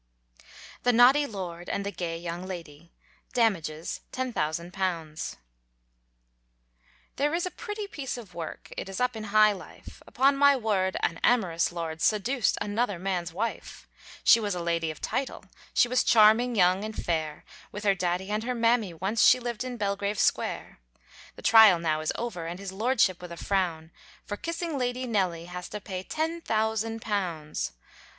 THE NAUGHTY LORD & THE GAY YOUNG LADY, DAMAGES, £10,000. There is a pretty piece of work, It is up in high life, Upon my word an amorous lord, Seduced another man's wife; She was a lady of title, She was charming, young, and fair, With her daddy and her mammy once She lived in Belgrave Square. The trial now is over, And his lordship, with a frown, For kissing Lady Nelly Has to pay ten thousand pounds.